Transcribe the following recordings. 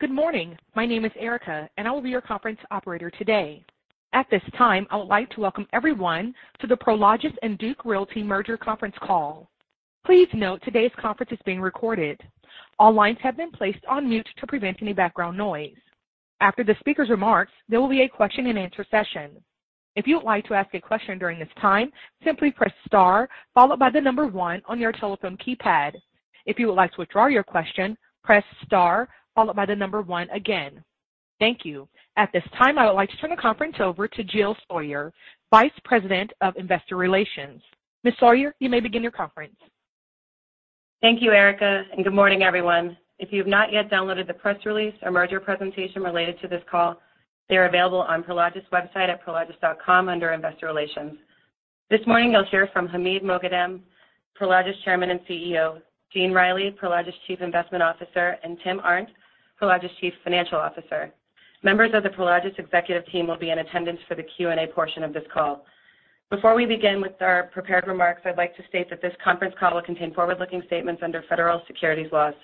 Good morning. My name is Erica, and I will be your conference operator today. At this time, I would like to welcome everyone to the Prologis and Duke Realty Merger conference call. Please note today's conference is being recorded. All lines have been placed on mute to prevent any background noise. After the speaker's remarks, there will be a question-and-answer session. If you would like to ask a question during this time, simply press star followed by the number one on your telephone keypad. If you would like to withdraw your question, press star followed by the number one again. Thank you. At this time, I would like to turn the conference over to Jill Sawyer, Vice President of Investor Relations. Ms. Sawyer, you may begin your conference. Thank you, Erica, and good morning, everyone. If you have not yet downloaded the press release or merger presentation related to this call, they are available on Prologis' website at prologis.com under Investor Relations. This morning you'll hear from Hamid Moghadam, Prologis Chairman and CEO, Gene Reilly, Prologis Chief Investment Officer, and Tim Arndt, Prologis Chief Financial Officer. Members of the Prologis executive team will be in attendance for the Q&A portion of this call. Before we begin with our prepared remarks, I'd like to state that this conference call will contain forward-looking statements under federal securities laws.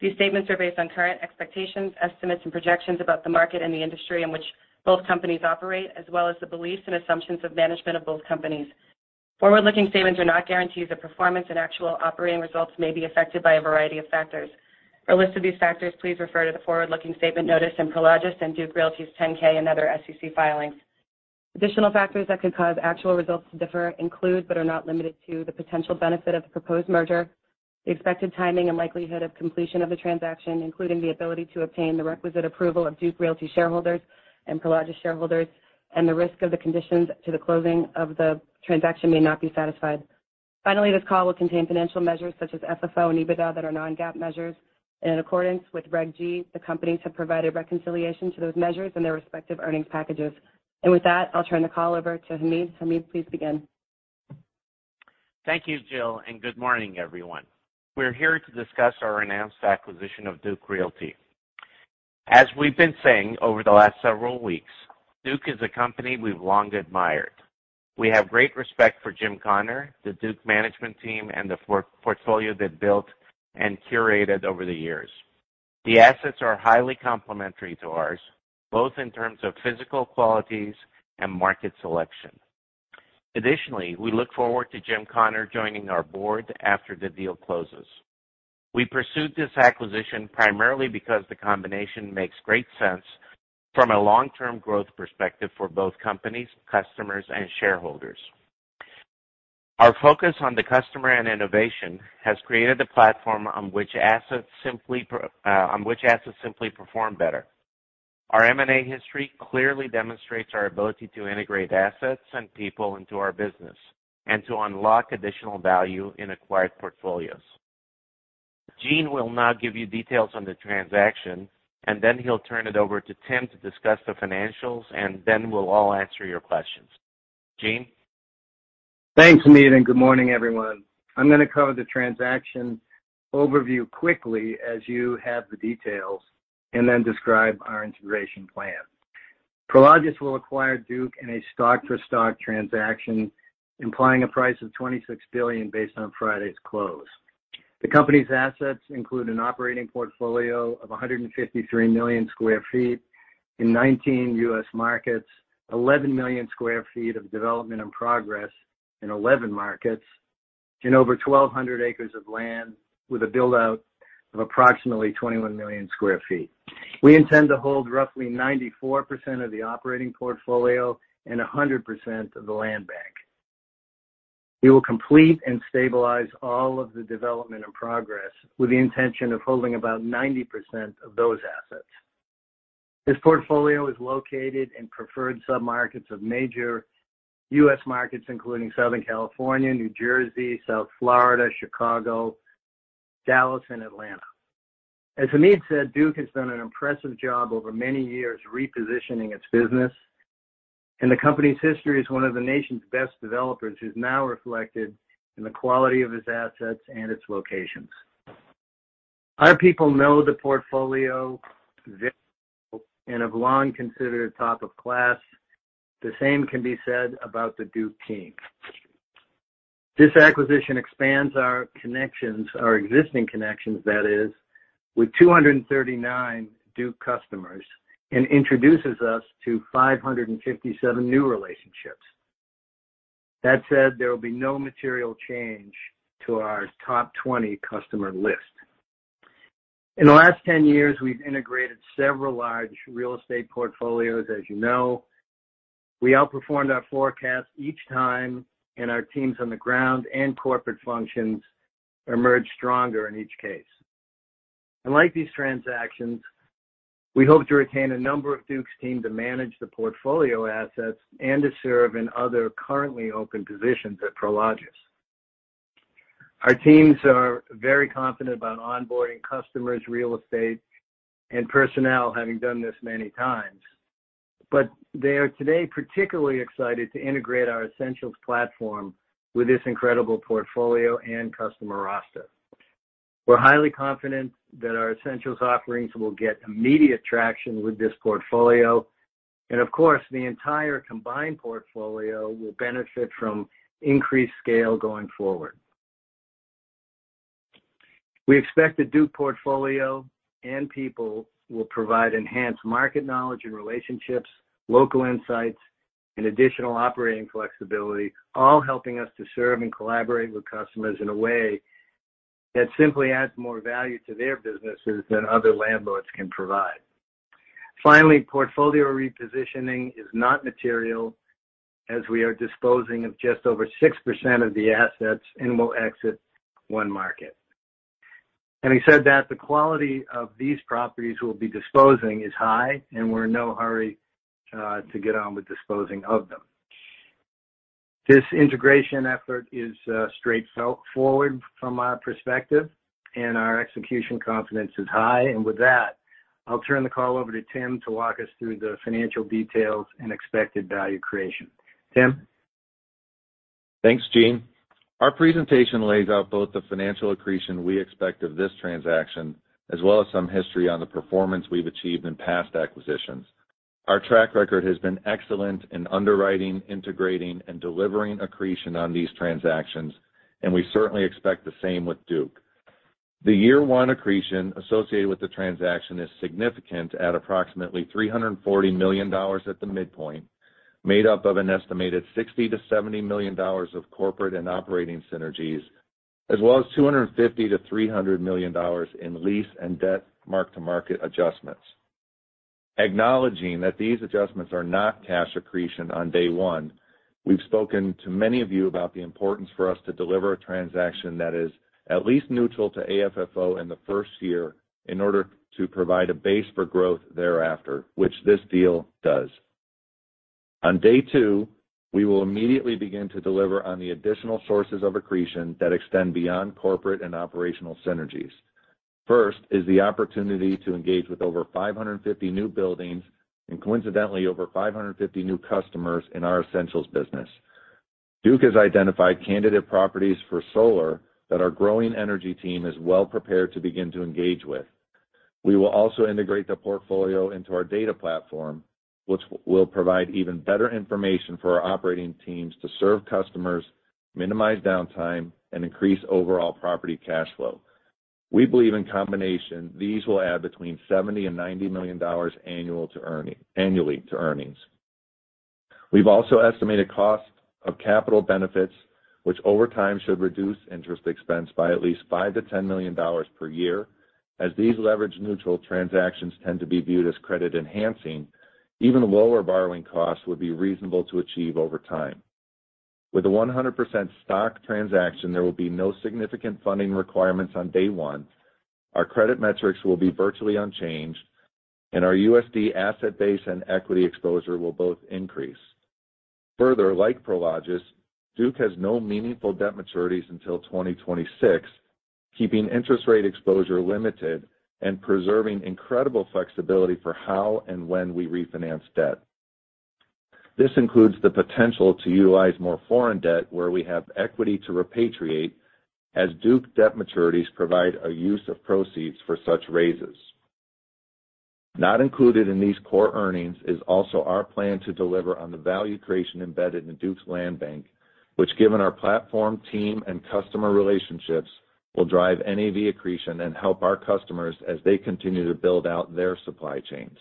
These statements are based on current expectations, estimates, and projections about the market and the industry in which both companies operate, as well as the beliefs and assumptions of management of both companies. Forward-looking statements are not guarantees of performance, and actual operating results may be affected by a variety of factors. For a list of these factors, please refer to the forward-looking statement notice in Prologis and Duke Realty's 10-K and other SEC filings. Additional factors that could cause actual results to differ include, but are not limited to, the potential benefit of the proposed merger, the expected timing and likelihood of completion of the transaction, including the ability to obtain the requisite approval of Duke Realty shareholders and Prologis shareholders, and the risk of the conditions to the closing of the transaction may not be satisfied. Finally, this call will contain financial measures such as FFO and EBITDA that are non-GAAP measures. In accordance with Reg G, the companies have provided reconciliation to those measures in their respective earnings packages. With that, I'll turn the call over to Hamid. Hamid, please begin. Thank you, Jill, and good morning, everyone. We're here to discuss our announced acquisition of Duke Realty. As we've been saying over the last several weeks, Duke is a company we've long admired. We have great respect for Jim Connor, the Duke management team and the portfolio they've built and curated over the years. The assets are highly complementary to ours, both in terms of physical qualities and market selection. Additionally, we look forward to Jim Connor joining our board after the deal closes. We pursued this acquisition primarily because the combination makes great sense from a long-term growth perspective for both companies, customers, and shareholders. Our focus on the customer and innovation has created a platform on which assets simply perform better. Our M&A history clearly demonstrates our ability to integrate assets and people into our business and to unlock additional value in acquired portfolios. Gene will now give you details on the transaction, and then he'll turn it over to Tim to discuss the financials, and then we'll all answer your questions. Gene. Thanks, Hamid, and good morning, everyone. I'm going to cover the transaction overview quickly as you have the details and then describe our integration plan. Prologis will acquire Duke in a stock-for-stock transaction, implying a price of $26 billion based on Friday's close. The company's assets include an operating portfolio of 153 million sq ft in 19 U.S. markets, 11 million sq ft of development in progress in 11 markets, and over 1,200 acres of land with a build-out of approximately 21 million sq ft. We intend to hold roughly 94% of the operating portfolio and 100% of the land bank. We will complete and stabilize all of the development in progress with the intention of holding about 90% of those assets. This portfolio is located in preferred submarkets of major U.S. markets, including Southern California, New Jersey, South Florida, Chicago, Dallas, and Atlanta. As Hamid said, Duke has done an impressive job over many years repositioning its business, and the company's history as one of the nation's best developers is now reflected in the quality of its assets and its locations. Our people know the portfolio and have long considered it top of class. The same can be said about the Duke team. This acquisition expands our connections, our existing connections that is, with 239 Duke customers and introduces us to 557 new relationships. That said, there will be no material change to our top 20 customer list. In the last 10 years, we've integrated several large real estate portfolios, as you know. We outperformed our forecast each time, and our teams on the ground and corporate functions emerged stronger in each case. Like these transactions, we hope to retain a number of Duke's team to manage the portfolio assets and to serve in other currently open positions at Prologis. Our teams are very confident about onboarding customers, real estate, and personnel, having done this many times. They are today particularly excited to integrate our Essentials platform with this incredible portfolio and customer roster. We're highly confident that our Essentials offerings will get immediate traction with this portfolio. Of course, the entire combined portfolio will benefit from increased scale going forward. We expect the Duke portfolio and people will provide enhanced market knowledge and relationships, local insights, and additional operating flexibility, all helping us to serve and collaborate with customers in a way that simply adds more value to their businesses than other landlords can provide. Finally, portfolio repositioning is not material as we are disposing of just over 6% of the assets and will exit one market. Having said that, the quality of these properties we'll be disposing is high, and we're in no hurry to get on with disposing of them. This integration effort is straightforward from our perspective, and our execution confidence is high. With that, I'll turn the call over to Tim to walk us through the financial details and expected value creation. Tim? Thanks, Gene. Our presentation lays out both the financial accretion we expect of this transaction, as well as some history on the performance we've achieved in past acquisitions. Our track record has been excellent in underwriting, integrating, and delivering accretion on these transactions, and we certainly expect the same with Duke. The year one accretion associated with the transaction is significant at approximately $340 million at the midpoint, made up of an estimated $60-$70 million of corporate and operating synergies, as well as $250-$300 million in lease and debt mark-to-market adjustments. Acknowledging that these adjustments are not cash accretion on day one, we've spoken to many of you about the importance for us to deliver a transaction that is at least neutral to AFFO in the first year in order to provide a base for growth thereafter, which this deal does. On day two, we will immediately begin to deliver on the additional sources of accretion that extend beyond corporate and operational synergies. First is the opportunity to engage with over 550 new buildings and coincidentally, over 550 new customers in our Essentials business. Duke has identified candidate properties for solar that our growing energy team is well prepared to begin to engage with. We will also integrate the portfolio into our data platform, which will provide even better information for our operating teams to serve customers, minimize downtime, and increase overall property cash flow. We believe in combination, these will add between $70 million and $90 million annually to earnings. We've also estimated cost of capital benefits, which over time should reduce interest expense by at least $5 million-$10 million per year. As these leverage neutral transactions tend to be viewed as credit enhancing, even lower borrowing costs would be reasonable to achieve over time. With a 100% stock transaction, there will be no significant funding requirements on day one. Our credit metrics will be virtually unchanged, and our USD asset base and equity exposure will both increase. Further, like Prologis, Duke has no meaningful debt maturities until 2026, keeping interest rate exposure limited and preserving incredible flexibility for how and when we refinance debt. This includes the potential to utilize more foreign debt where we have equity to repatriate as Duke debt maturities provide a use of proceeds for such raises. Not included in these core earnings is also our plan to deliver on the value creation embedded in Duke's land bank, which given our platform, team, and customer relationships, will drive NAV accretion and help our customers as they continue to build out their supply chains.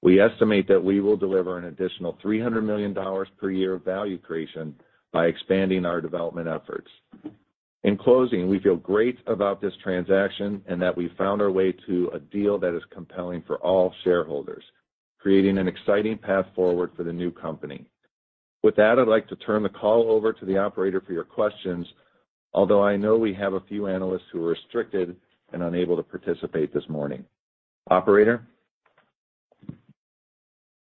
We estimate that we will deliver an additional $300 million per year of value creation by expanding our development efforts. In closing, we feel great about this transaction and that we found our way to a deal that is compelling for all shareholders, creating an exciting path forward for the new company. With that, I'd like to turn the call over to the operator for your questions. Although I know we have a few analysts who are restricted and unable to participate this morning. Operator?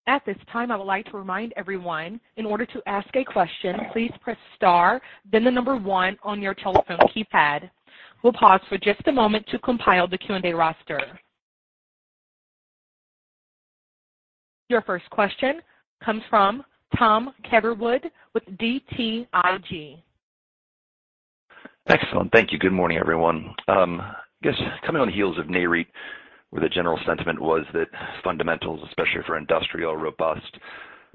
At this time, I would like to remind everyone, in order to ask a question, please press star, then the number one on your telephone keypad. We'll pause for just a moment to compile the Q&A roster. Your first question comes from Tom Catherwood with BTIG. Excellent. Thank you. Good morning, everyone. I guess coming on the heels of Nareit, where the general sentiment was that fundamentals, especially for industrial, are robust,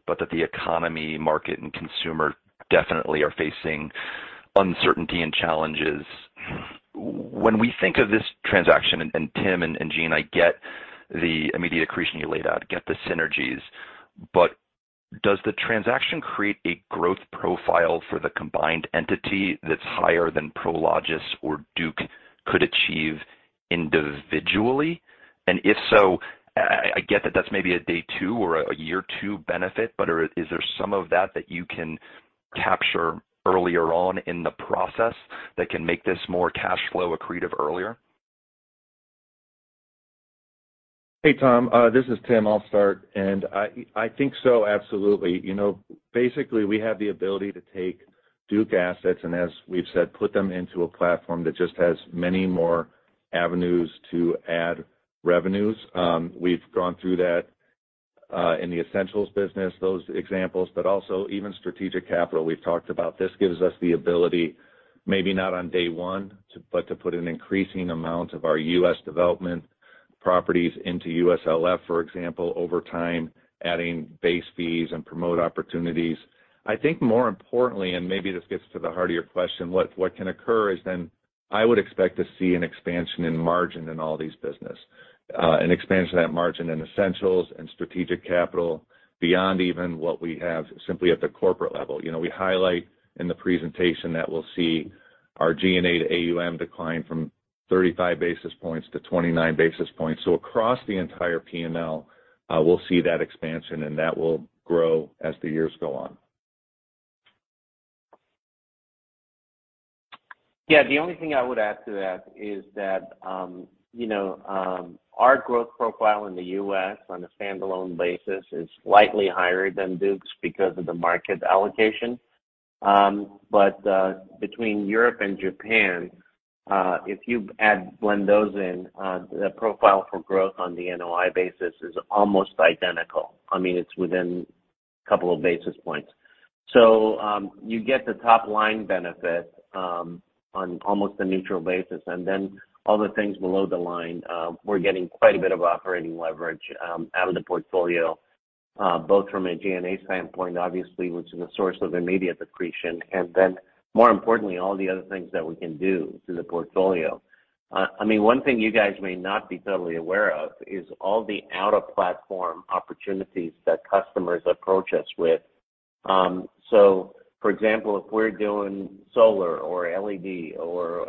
but that the economy, market, and consumer definitely are facing uncertainty and challenges. When we think of this transaction, and Tim and Gene, I get the immediate accretion you laid out, get the synergies, but does the transaction create a growth profile for the combined entity that's higher than Prologis or Duke could achieve individually? If so, I get that that's maybe a day two or a year two benefit, but is there some of that that you can capture earlier on in the process that can make this more cash flow accretive earlier? Hey, Tom. This is Tim. I'll start. I think so, absolutely. You know, basically, we have the ability to take Duke assets, and as we've said, put them into a platform that just has many more avenues to add revenues. We've gone through that in the Essentials business, those examples, but also even Strategic Capital we've talked about. This gives us the ability. Maybe not on day one, but to put an increasing amount of our U.S. development properties into USLF, for example, over time, adding base fees and promote opportunities. I think more importantly, and maybe this gets to the heart of your question, what can occur is then I would expect to see an expansion in margin in all these business. An expansion of that margin in Essentials and Strategic Capital beyond even what we have simply at the corporate level. You know, we highlight in the presentation that we'll see our G&A to AUM decline from 35 basis point-29 basis points. Across the entire P&L, we'll see that expansion, and that will grow as the years go on. Yeah. The only thing I would add to that is that, you know, our growth profile in the U.S. on a standalone basis is slightly higher than Duke's because of the market allocation. Between Europe and Japan, if you blend those in, the profile for growth on the NOI basis is almost identical. I mean, it's within a couple of basis points. You get the top line benefit on almost a neutral basis. Then all the things below the line, we're getting quite a bit of operating leverage out of the portfolio, both from a G&A standpoint, obviously, which is a source of immediate accretion, and then more importantly, all the other things that we can do to the portfolio. I mean, one thing you guys may not be totally aware of is all the out-of-platform opportunities that customers approach us with. So for example, if we're doing solar or LED or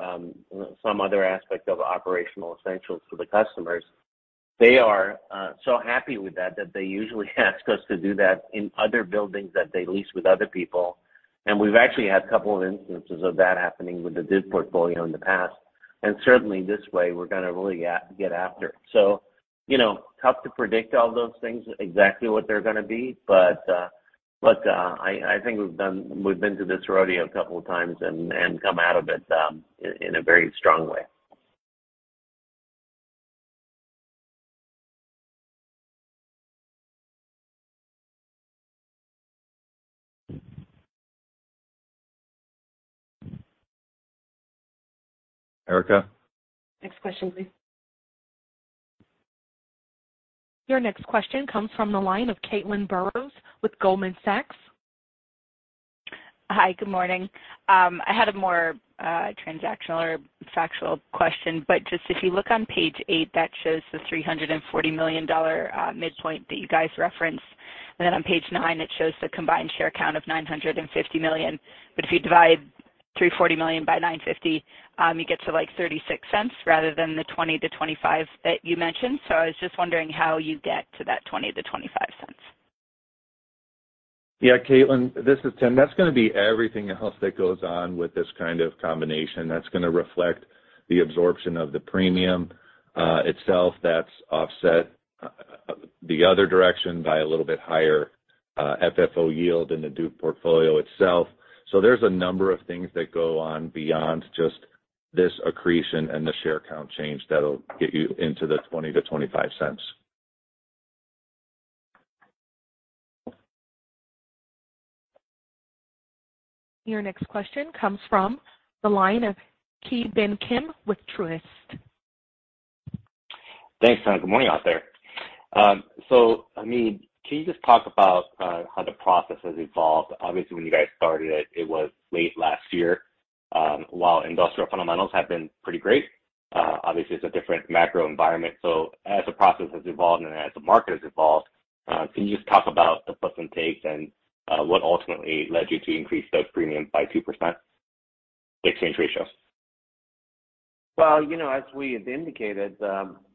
some other aspect of operational essentials for the customers, they are so happy with that that they usually ask us to do that in other buildings that they lease with other people. We've actually had a couple of instances of that happening with the Duke portfolio in the past. Certainly, this way we're gonna really get after it. You know, tough to predict all those things exactly what they're gonna be. But I think we've done. We've been to this rodeo a couple of times and come out of it in a very strong way. Erica? Next question please. Your next question comes from the line of Caitlin Burrows with Goldman Sachs. Hi, good morning. I had a more transactional or factual question, but just if you look on page 8, that shows the $340 million midpoint that you guys referenced. Then on page 9, it shows the combined share count of 950 million. If you divide 340 million by 950, you get to, like, $0.36 rather than the $0.20-$0.25 that you mentioned. I was just wondering how you get to that $0.20-$0.25. Yeah, Caitlin, this is Tim. That's gonna be everything else that goes on with this kind of combination. That's gonna reflect the absorption of the premium itself. That's offset the other direction by a little bit higher FFO yield in the Duke portfolio itself. There's a number of things that go on beyond just this accretion and the share count change that'll get you into the $0.20-$0.25. Your next question comes from the line of Ki Bin Kim with Truist. Thanks, Tim. Good morning out there. Hamid Moghadam, can you just talk about how the process has evolved? Obviously, when you guys started it was late last year. While industrial fundamentals have been pretty great, obviously, it's a different macro environment. As the process has evolved and as the market has evolved, can you just talk about the plus and takes and what ultimately led you to increase those premiums by 2% exchange ratio? Well, you know, as we have indicated,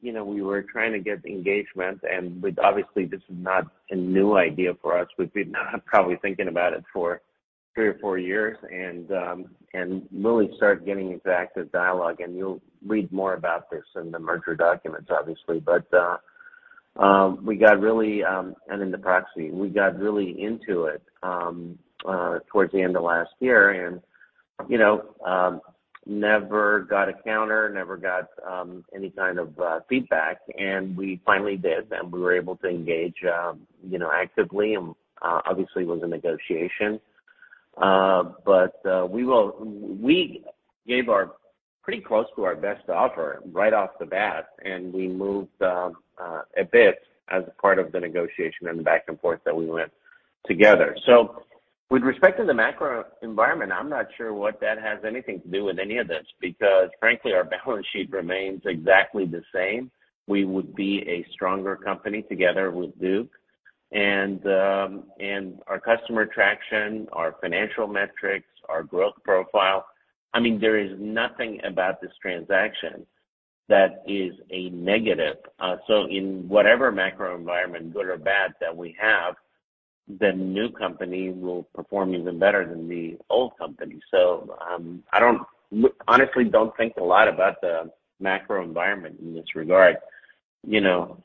you know, we were trying to get engagement. Obviously, this is not a new idea for us. We've been probably thinking about it for three or four years and really started getting into active dialogue. You'll read more about this in the merger documents, obviously. We got really into it in the proxy towards the end of last year and you know, never got a counter, never got any kind of feedback, and we finally did, and we were able to engage, you know, actively and obviously was a negotiation. We gave pretty close to our best offer right off the bat, and we moved a bit as a part of the negotiation and the back and forth that we went together. With respect to the macro environment, I'm not sure what that has anything to do with any of this, because frankly, our balance sheet remains exactly the same. We would be a stronger company together with Duke. Our customer traction, our financial metrics, our growth profile, I mean, there is nothing about this transaction that is a negative. In whatever macro environment, good or bad that we have, the new company will perform even better than the old company. I honestly don't think a lot about the macro environment in this regard. You know,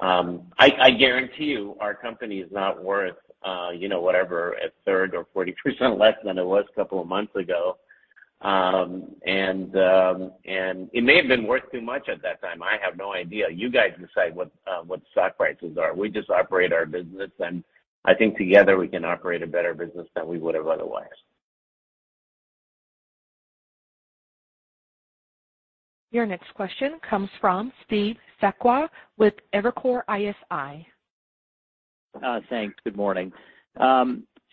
I guarantee you our company is not worth, you know, whatever, a third or 40% less than it was a couple of months ago. It may have been worth too much at that time. I have no idea. You guys decide what stock prices are. We just operate our business, and I think together we can operate a better business than we would have otherwise. Your next question comes from Steve Sakwa with Evercore ISI. Thanks. Good morning.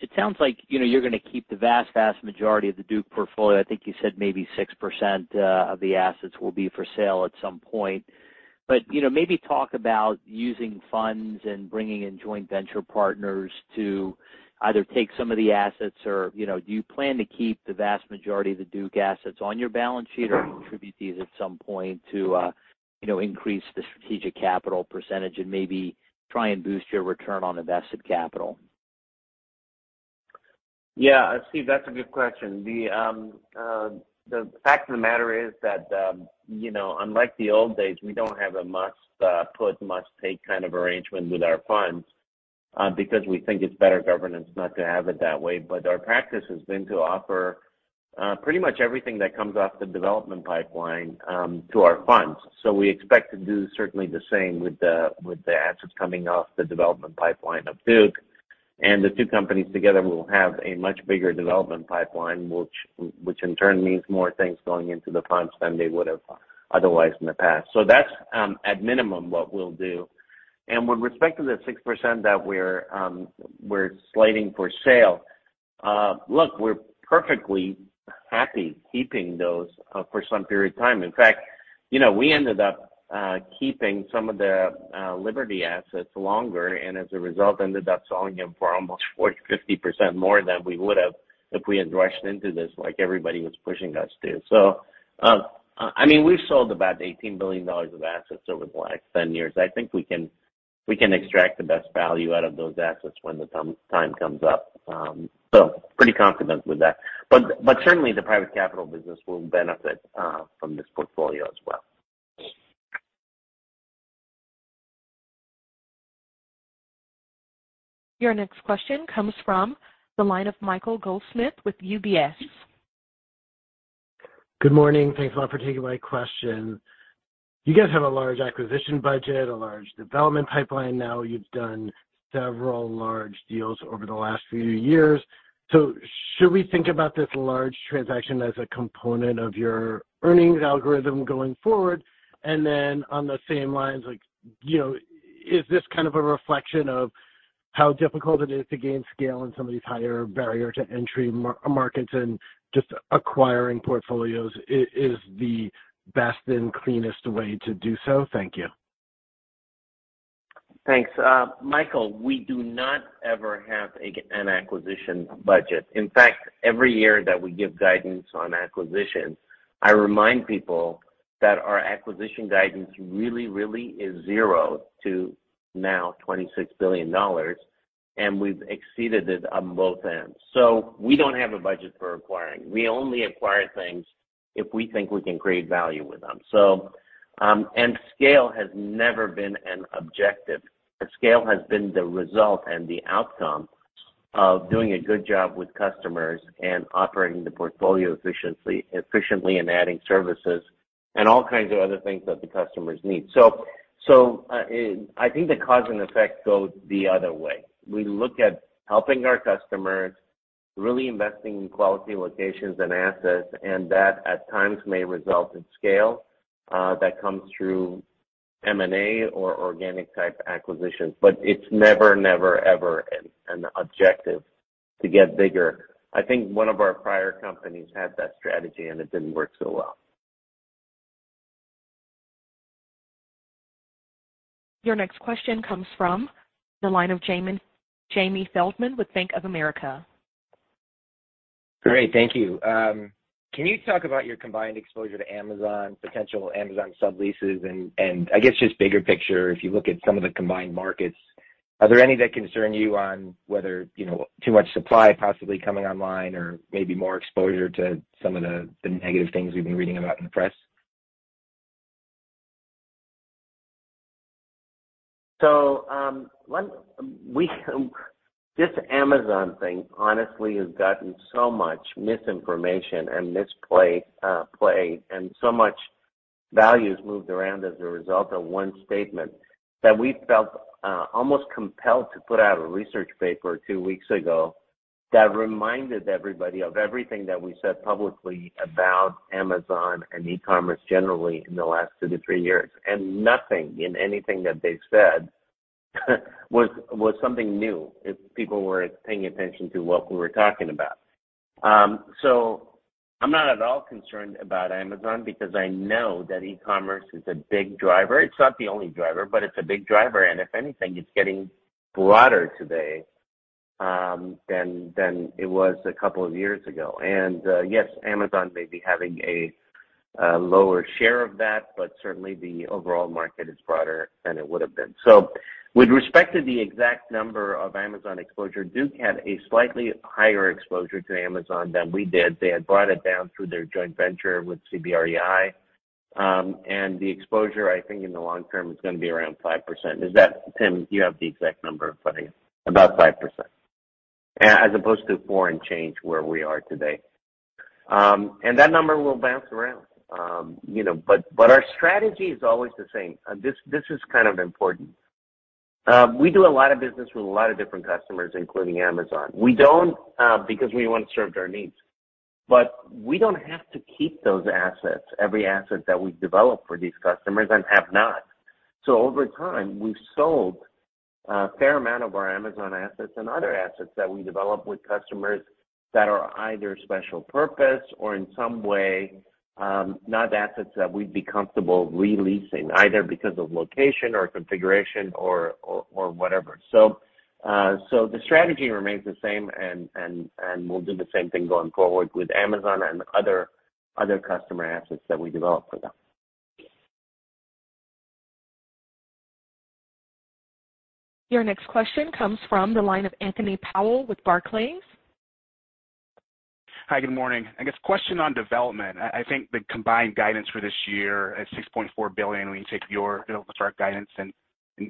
It sounds like, you know, you're gonna keep the vast majority of the Duke portfolio. I think you said maybe 6% of the assets will be for sale at some point. You know, maybe talk about using funds and bringing in joint venture partners to either take some of the assets or, you know, do you plan to keep the vast majority of the Duke assets on your balance sheet or contribute these at some point to, you know, increase the Strategic Capital percentage and maybe try and boost your return on invested capital? Yeah. Steve, that's a good question. The fact of the matter is that, you know, unlike the old days, we don't have a must-put, must-pay kind of arrangement with our funds, because we think it's better governance not to have it that way. Our practice has been to offer pretty much everything that comes off the development pipeline to our funds. We expect to do certainly the same with the assets coming off the development pipeline of Duke. The two companies together will have a much bigger development pipeline, which in turn means more things going into the funds than they would have otherwise in the past. That's, at minimum, what we'll do. With respect to the 6% that we're slating for sale, look, we're perfectly happy keeping those for some period of time. In fact, you know, we ended up keeping some of the Liberty assets longer, and as a result, ended up selling them for almost 40%-50% more than we would have if we had rushed into this like everybody was pushing us to. I mean, we've sold about $18 billion of assets over the last 10 years. I think we can extract the best value out of those assets when the time comes up. Pretty confident with that. Certainly the private capital business will benefit from this portfolio as well. Your next question comes from the line of Michael Goldsmith with UBS. Good morning. Thanks a lot for taking my question. You guys have a large acquisition budget, a large development pipeline now. You've done several large deals over the last few years. Should we think about this large transaction as a component of your earnings algorithm going forward? And then on the same lines, like, you know, is this kind of a reflection of how difficult it is to gain scale in some of these higher barrier to entry markets, and just acquiring portfolios is the best and cleanest way to do so? Thank you. Thanks. Michael, we do not ever have an acquisition budget. In fact, every year that we give guidance on acquisitions, I remind people that our acquisition guidance really, really is zero to no $26 billion, and we've exceeded it on both ends. We don't have a budget for acquiring. We only acquire things if we think we can create value with them. And scale has never been an objective. The scale has been the result and the outcome of doing a good job with customers and operating the portfolio efficiently and adding services and all kinds of other things that the customers need. I think the cause and effect goes the other way. We look at helping our customers, really investing in quality locations and assets, and that at times may result in scale that comes through M&A or organic type acquisitions. It's never ever an objective to get bigger. I think one of our prior companies had that strategy, and it didn't work so well. Your next question comes from the line of James Feldman with Bank of America. Great, thank you. Can you talk about your combined exposure to Amazon, potential Amazon subleases? And I guess just bigger picture, if you look at some of the combined markets, are there any that concern you on whether, you know, too much supply possibly coming online or maybe more exposure to some of the negative things we've been reading about in the press? This Amazon thing honestly has gotten so much misinformation and misplay, and so much value is moved around as a result of one statement that we felt almost compelled to put out a research paper two weeks ago that reminded everybody of everything that we said publicly about Amazon and e-commerce generally in the last 2-3 years. Nothing in anything that they've said was something new if people weren't paying attention to what we were talking about. I'm not at all concerned about Amazon because I know that e-commerce is a big driver. It's not the only driver, but it's a big driver. If anything, it's getting broader today than it was a couple of years ago. Yes, Amazon may be having a lower share of that, but certainly the overall market is broader than it would've been. With respect to the exact number of Amazon exposure, Duke had a slightly higher exposure to Amazon than we did. They had brought it down through their joint venture with CBREI. The exposure, I think in the long term is gonna be around 5%. Is that, Tim, do you have the exact number in front of you? About 5%, as opposed to 4% and change where we are today. That number will bounce around. You know, but our strategy is always the same. This is kind of important. We do a lot of business with a lot of different customers, including Amazon. We do, because we want to serve our needs. We don't have to keep those assets, every asset that we develop for these customers and have not. Over time, we've sold a fair amount of our Amazon assets and other assets that we develop with customers that are either special purpose or in some way, not assets that we'd be comfortable re-leasing, either because of location or configuration or whatever. The strategy remains the same, and we'll do the same thing going forward with Amazon and other customer assets that we develop for them. Your next question comes from the line of Anthony Powell with Barclays. Hi, good morning. I guess question on development. I think the combined guidance for this year is $6.4 billion when you take your guidance and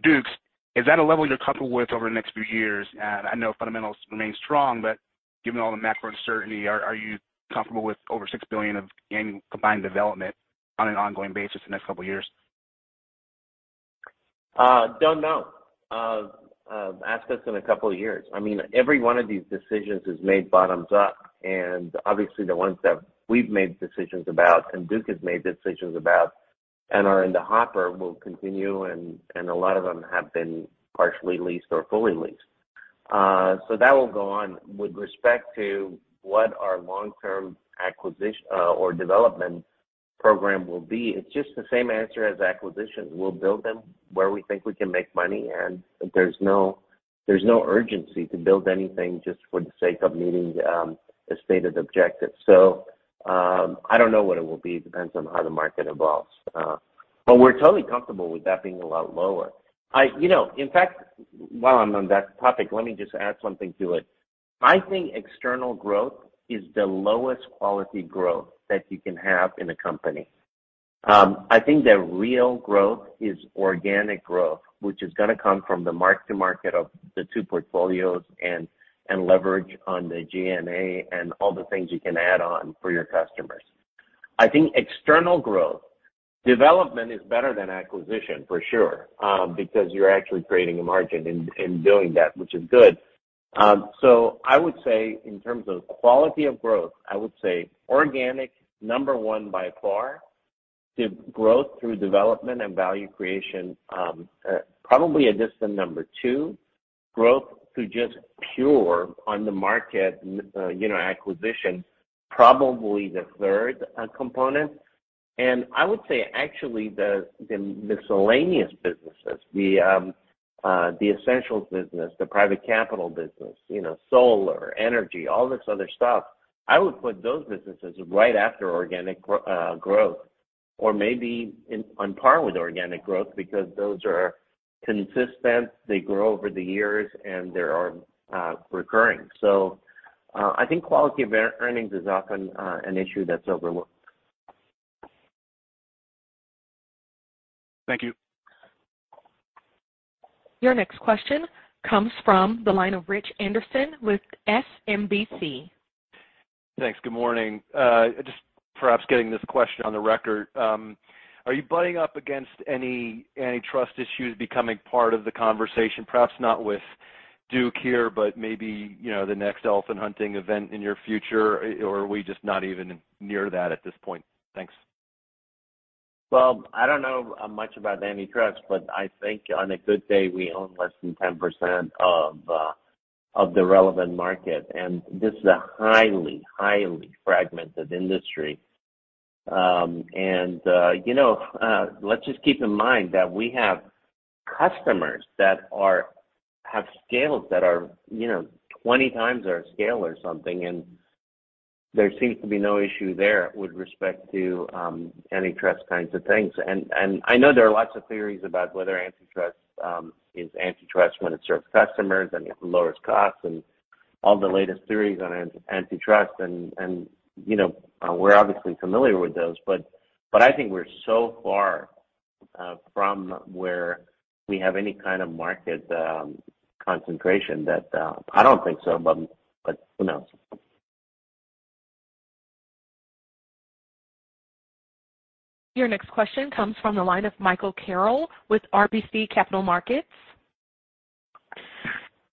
Duke's. Is that a level you're comfortable with over the next few years? I know fundamentals remain strong, but given all the macro uncertainty, are you comfortable with over $6 billion of annual combined development on an ongoing basis the next couple of years? Don't know. Ask us in a couple of years. I mean, every one of these decisions is made bottoms up, and obviously the ones that we've made decisions about and Duke has made decisions about and are in the hopper will continue, and a lot of them have been partially leased or fully leased. So that will go on. With respect to what our long-term acquisition or development program will be, it's just the same answer as acquisitions. We'll build them where we think we can make money, and there's no urgency to build anything just for the sake of meeting a stated objective. I don't know what it will be. It depends on how the market evolves. But we're totally comfortable with that being a lot lower. You know, in fact, while I'm on that topic, let me just add something to it. I think external growth is the lowest quality growth that you can have in a company. I think the real growth is organic growth, which is gonna come from the mark to market of the two portfolios and leverage on the G&A and all the things you can add on for your customers. I think external growth, development is better than acquisition for sure, because you're actually creating a market in doing that, which is good. So I would say in terms of quality of growth, I would say organic, number one by far, the growth through development and value creation, probably a distant number two. Growth through just pure on the market, you know, acquisition, probably the third component. I would say actually the miscellaneous businesses, the Essentials business, the private capital business, you know, solar energy, all this other stuff. I would put those businesses right after organic growth or maybe on par with organic growth because those are consistent, they grow over the years and they're recurring. I think quality of earnings is often an issue that's overlooked. Thank you. Your next question comes from the line of Richard Anderson with SMBC. Thanks. Good morning. Just perhaps getting this question on the record. Are you butting up against any antitrust issues becoming part of the conversation, perhaps not with Duke here, but maybe, you know, the next elephant hunting event in your future, or are we just not even near that at this point? Thanks. Well, I don't know much about antitrust, but I think on a good day, we own less than 10% of the relevant market. This is a highly fragmented industry. You know, let's just keep in mind that we have customers that have scales that are, you know, 20 times our scale or something, and there seems to be no issue there with respect to antitrust kinds of things. I know there are lots of theories about whether antitrust is antitrust when it serves customers and it lowers costs and all the latest theories on anti-antitrust. You know, we're obviously familiar with those. I think we're so far from where we have any kind of market concentration that I don't think so, but who knows? Your next question comes from the line of Michael Carroll with RBC Capital Markets.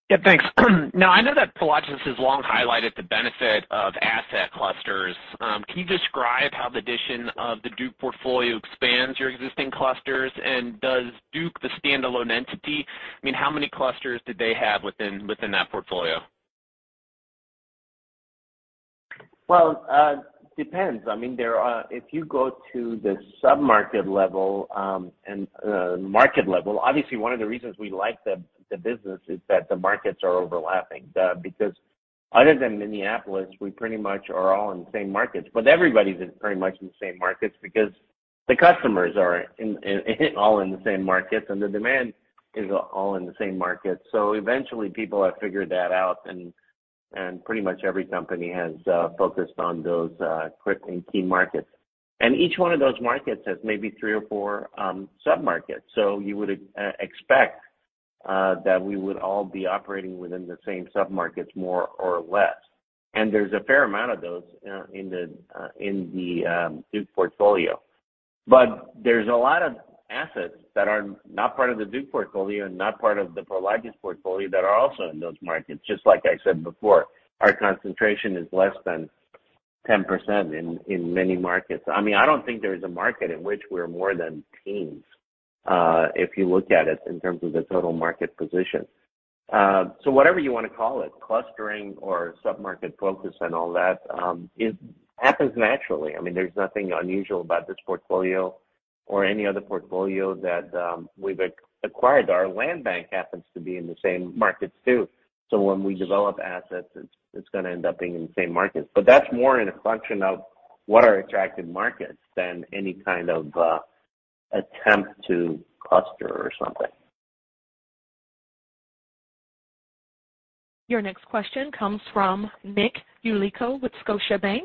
Yeah, thanks. Now, I know that Prologis has long highlighted the benefit of asset clusters. Can you describe how the addition of the Duke portfolio expands your existing clusters? Does Duke, the standalone entity, I mean, how many clusters did they have within that portfolio? Well, depends. I mean, if you go to the submarket level, and market level, obviously one of the reasons we like the business is that the markets are overlapping, because other than Minneapolis, we pretty much are all in the same markets. Everybody's in pretty much the same markets because the customers are in all in the same markets, and the demand is all in the same market. Eventually people have figured that out, and pretty much every company has focused on those quick and key markets. Each one of those markets has maybe three or four submarkets. You would expect that we would all be operating within the same submarkets more or less. There's a fair amount of those in the Duke portfolio. There's a lot of assets that are not part of the Duke portfolio and not part of the Prologis portfolio that are also in those markets. Just like I said before, our concentration is less than 10% in many markets. I mean, I don't think there's a market in which we're more than teens, if you look at us in terms of the total market position. Whatever you wanna call it, clustering or sub-market focus and all that, it happens naturally. I mean, there's nothing unusual about this portfolio or any other portfolio that we've acquired. Our land bank happens to be in the same markets too. When we develop assets, it's gonna end up being in the same markets. That's more in a function of what are attractive markets than any kind of attempt to cluster or something. Your next question comes from Nick Yulico with Scotiabank.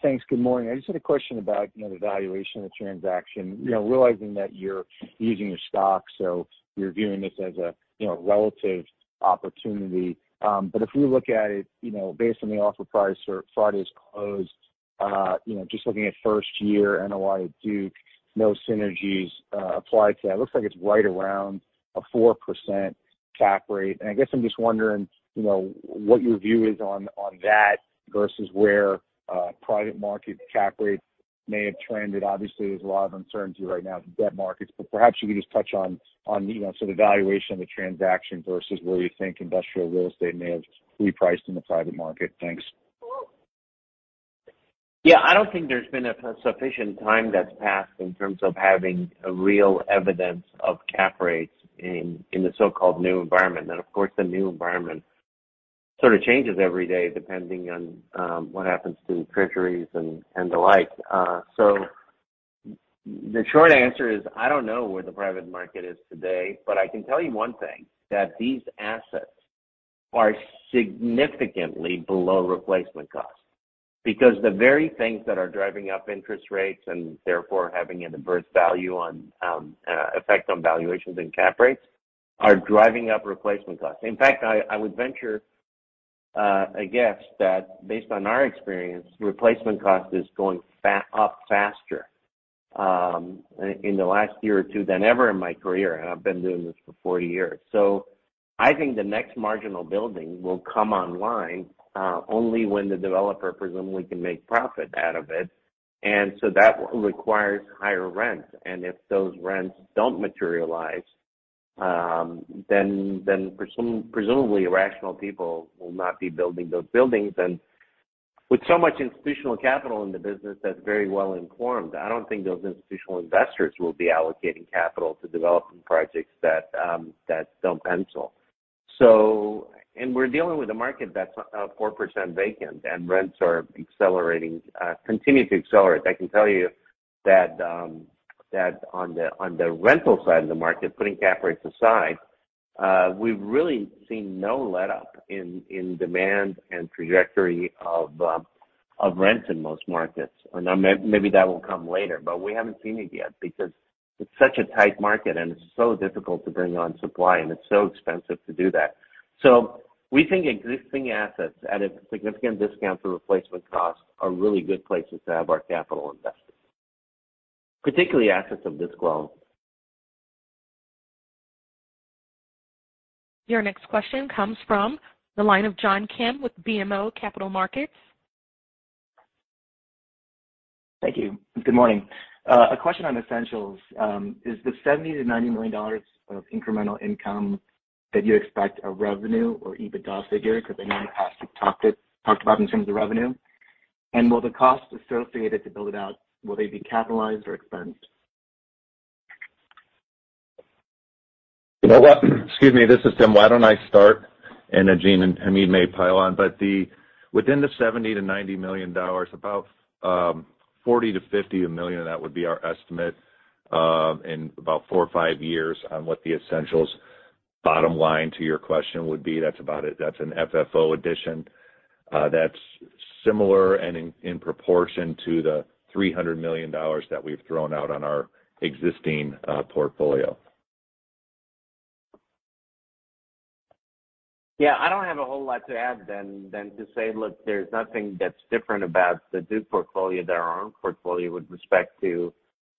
Thanks. Good morning. I just had a question about, you know, the valuation of the transaction. You know, realizing that you're using your stock, so you're viewing this as a, you know, relative opportunity. But if we look at it, you know, based on the offer price for Friday's close, you know, just looking at first year NOI Duke, no synergies, applied to that. Looks like it's right around a 4% cap rate. I guess I'm just wondering, you know, what your view is on that versus where private market cap rates may have trended. Obviously, there's a lot of uncertainty right now in the debt markets, but perhaps you could just touch on, you know, sort of valuation of the transaction versus where you think industrial real estate may have repriced in the private market. Thanks. Yeah. I don't think there's been a sufficient time that's passed in terms of having a real evidence of cap rates in the so-called new environment. Of course, the new environment sort of changes every day depending on what happens to Treasuries and the like. The short answer is, I don't know where the private market is today. I can tell you one thing, that these assets are significantly below replacement cost. Because the very things that are driving up interest rates and therefore having an adverse effect on valuations and cap rates are driving up replacement costs. In fact, I would venture a guess that based on our experience, replacement cost is going up faster in the last year or two than ever in my career, and I've been doing this for forty years. I think the next marginal building will come online only when the developer presumably can make profit out of it, and that requires higher rents. If those rents don't materialize, then presumably rational people will not be building those buildings. With so much institutional capital in the business that's very well informed, I don't think those institutional investors will be allocating capital to developing projects that don't pencil. We're dealing with a market that's 4% vacant, and rents are accelerating continue to accelerate. I can tell you that on the rental side of the market, putting cap rates aside, we've really seen no letup in demand and trajectory of rents in most markets. Now, maybe that will come later, but we haven't seen it yet because it's such a tight market, and it's so difficult to bring on supply, and it's so expensive to do that. We think existing assets at a significant discount to replacement costs are really good places to have our capital invested, particularly assets of this scale. Your next question comes from the line of John Kim with BMO Capital Markets. Thank you. Good morning. A question on Essentials. Is the $70 million-$90 million of incremental income that you expect a revenue or EBITDA figure? Because I know in the past you've talked about it in terms of revenue. Will the costs associated to build out be capitalized or expensed? You know what? Excuse me. This is Tim. Why don't I start, and then Gene and Hamid may pile on. Within the $70-$90 million, about $40-$50 million of that would be our estimate in about four or five years on what the essentials bottom line to your question would be. That's about it. That's an FFO addition. That's similar and in proportion to the $300 million that we've thrown out on our existing portfolio. Yeah. I don't have a whole lot to add than to say, look, there's nothing that's different about the Duke portfolio, their own portfolio with respect to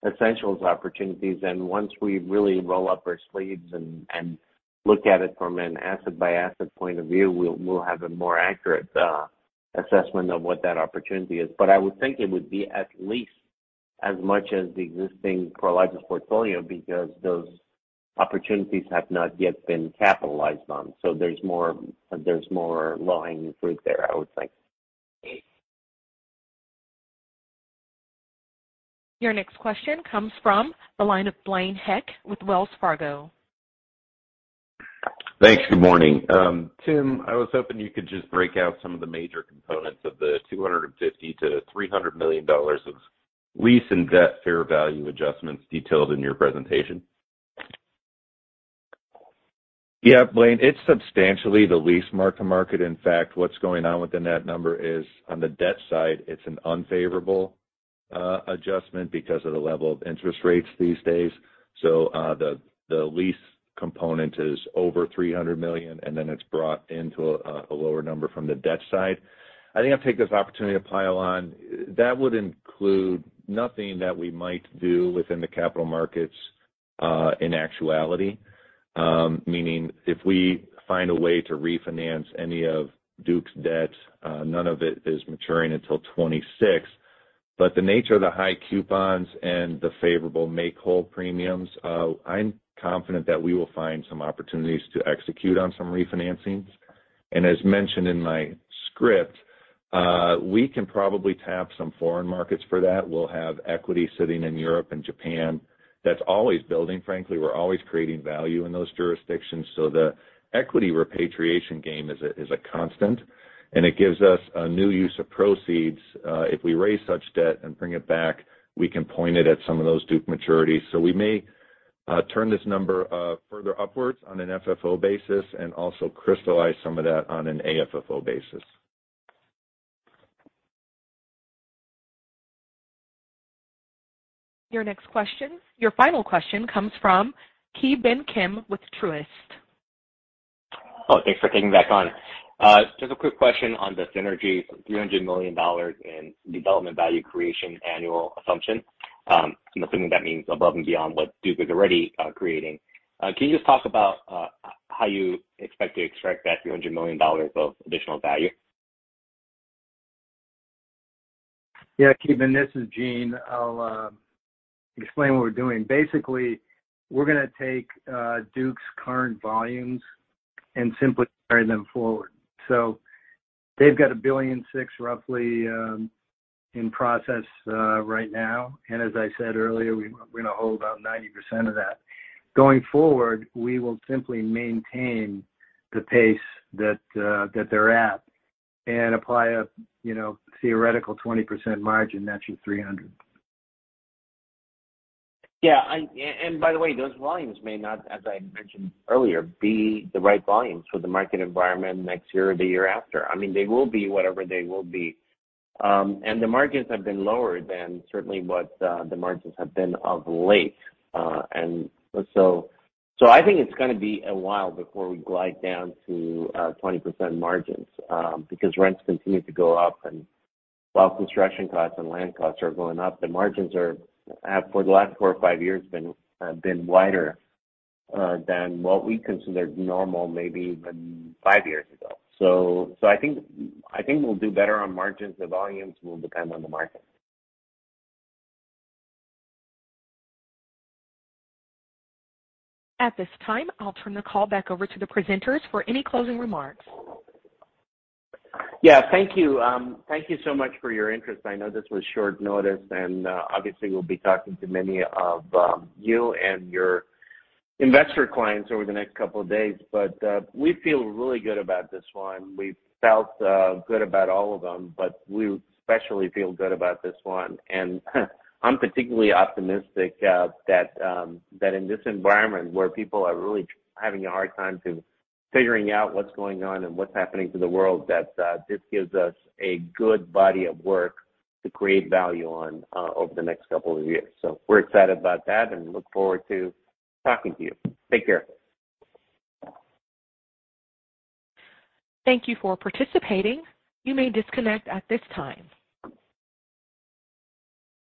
Essentials opportunities. Once we really roll up our sleeves and look at it from an asset-by-asset point of view, we'll have a more accurate assessment of what that opportunity is. I would think it would be at least as much as the existing Prologis portfolio because those opportunities have not yet been capitalized on. There's more low-hanging fruit there, I would think. Your next question comes from the line of Blaine Heck with Wells Fargo. Thanks. Good morning. Tim, I was hoping you could just break out some of the major components of the $250 million-$300 million of lease and debt fair value adjustments detailed in your presentation. Yeah, Blaine. It's substantially the lease mark-to-market. In fact, what's going on within that number is, on the debt side, it's an unfavorable adjustment because of the level of interest rates these days. The lease component is over $300 million, and then it's brought into a lower number from the debt side. I think I'll take this opportunity to pile on. That would include nothing that we might do within the capital markets, in actuality. Meaning if we find a way to refinance any of Duke's debt, none of it is maturing until 2026. But the nature of the high coupons and the favorable make-whole premiums, I'm confident that we will find some opportunities to execute on some refinancings. As mentioned in my script, we can probably tap some foreign markets for that. We'll have equity sitting in Europe and Japan. That's always building, frankly, we're always creating value in those jurisdictions. The equity repatriation game is a constant, and it gives us a new use of proceeds if we raise such debt and bring it back, we can point it at some of those Duke maturities. We may turn this number further upwards on an FFO basis and also crystallize some of that on an AFFO basis. Your next question, your final question comes from Ki Bin Kim with Truist. Thanks for taking my question. Just a quick question on the synergy, $300 million in development value creation annual assumption. I'm assuming that means above and beyond what Duke is already creating. Can you just talk about how you expect to extract that $300 million of additional value? Yeah. Ki Bin Kim, this is Gene Reilly. I'll explain what we're doing. Basically, we're gonna take Duke's current volumes and simply carry them forward. They've got $1.6 billion roughly in process right now. As I said earlier, we're gonna hold on 90% of that. Going forward, we will simply maintain the pace that they're at and apply a you know theoretical 20% margin, that's your $300 million. Yeah. By the way, those volumes may not, as I mentioned earlier, be the right volumes for the market environment next year or the year after. I mean, they will be whatever they will be. The margins have been lower than certainly what the margins have been of late. I think it's gonna be a while before we glide down to 20% margins, because rents continue to go up. While construction costs and land costs are going up, the margins have for the last four or five years been wider than what we considered normal maybe even five years ago. I think we'll do better on margins. The volumes will depend on the market. At this time, I'll turn the call back over to the presenters for any closing remarks. Yeah. Thank you. Thank you so much for your interest. I know this was short notice, and obviously, we'll be talking to many of you and your investor clients over the next couple of days. We feel really good about this one. We've felt good about all of them, but we especially feel good about this one. I'm particularly optimistic that in this environment where people are really having a hard time figuring out what's going on and what's happening to the world, that this gives us a good body of work to create value on over the next couple of years. We're excited about that and look forward to talking to you. Take care. Thank you for participating. You may disconnect at this time.